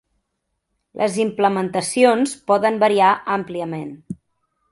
Les implementacions poden variar àmpliament.